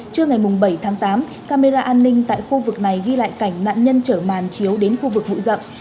trưa ngày bảy tháng tám camera an ninh tại khu vực này ghi lại cảnh nạn nhân chở màn chiếu đến khu vực bụi rậm